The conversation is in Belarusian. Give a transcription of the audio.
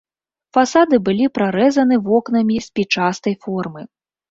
Фасады былі прарэзаны вокнамі спічастай формы.